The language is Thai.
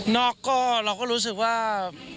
นอกก็เราก็รู้สึกว่า